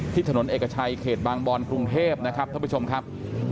ถนนเอกชัยเขตบางบอนกรุงเทพนะครับท่านผู้ชมครับ